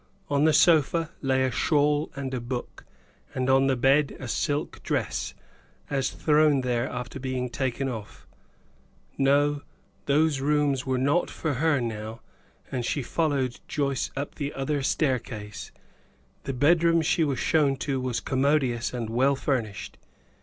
On the sofa lay a shawl and a book, and on the bed a silk dress, as thrown there after being taken off. No, those rooms were not for her now, and she followed Joyce up the other staircase. The bedroom she was shown to was commodious and well furnished.